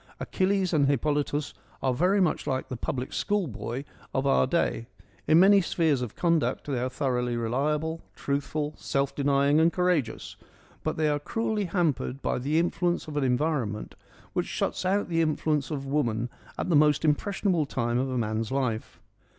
Achilles and Hippolytus are very much like the public school boy of our day ; in many spheres of conduct they are thoroughly reliable : truthful, self denying and courageous : but they are cruelly hampered by the influence of an environment which shuts out the influence of woman at the most impressionable time of a man's life.